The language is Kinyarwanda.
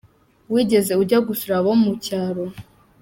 Wigeze ujya gusura abo mu cyaro?.